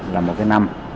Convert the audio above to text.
là một năm